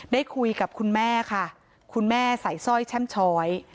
ได้คุยกับคุณแม่ค่ะคุณแม่ใส่สร้อยแช่มช้อย